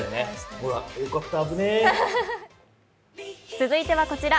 続いてはこちら。